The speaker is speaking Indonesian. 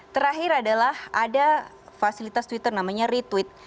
terakhir adalah ada fasilitas twitter namanya retweet